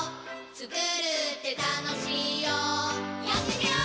つくるってたのしいよやってみよー！